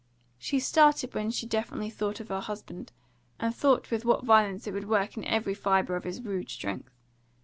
She started when she definitely thought of her husband, and thought with what violence it would work in every fibre of his rude strength.